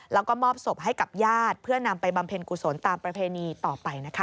แล้วก็มอบศพให้กับญาติเพื่อนำไปบำเพ็ญกุศลตามประเพณีต่อไปนะคะ